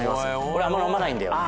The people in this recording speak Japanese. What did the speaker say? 俺あんま飲まないんだよね